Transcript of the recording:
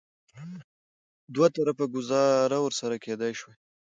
دوه طرفه ګوزاره ورسره کېدای شوه.